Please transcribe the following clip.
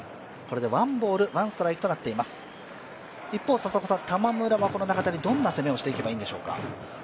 一方、玉村はこの中田にどんな攻めをしていけばいいんでしょうか？